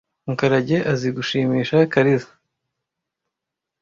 Mukarage azi gushimisha Kariza .